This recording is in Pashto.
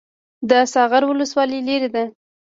د ساغر ولسوالۍ لیرې ده